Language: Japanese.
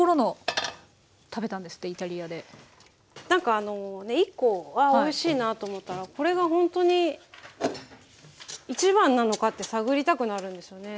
何かあの１個あおいしいなあと思ったらこれがほんとに一番なのかって探りたくなるんですよね